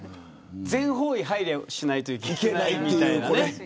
全方位に配慮をしないといけないみたいなね。